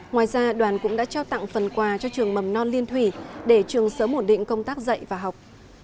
ngoài ra đoàn cũng đã trao tặng phần quà cho trường mầm non liên thủy để trường sớm ổn định công tác dạy và học